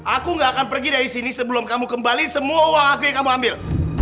aku nggak akan pergi dari sini sebelum kamu kembali semua uang aku yang kamu ambil